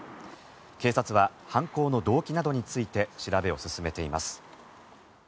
警察は犯行の動機などについて調べを進めています。